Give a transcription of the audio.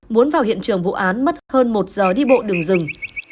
muốn vào hiện trường vụ án mất hơn một giờ đi bộ đường rừng